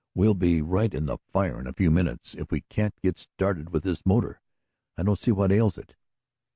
We'll be right in the fire in a few minutes, if we can't get started with this motor! I don't see what ails it."